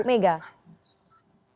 apakah anda tidak percaya